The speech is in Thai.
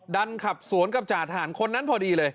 ดันขับสวนกับจ่าทหารคนนั้นพอดีเลย